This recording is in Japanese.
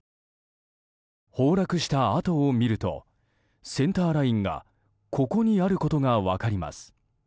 崩落した跡を見るとセンターラインがここにあることが分かります。